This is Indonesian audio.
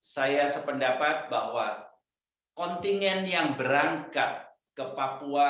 saya sependapat bahwa kontingen yang berangkat ke papua